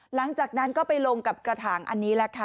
หลังจากนั้นก็ไปลงกับกระถางอันนี้แหละค่ะ